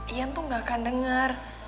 ian tuh gak akan dengar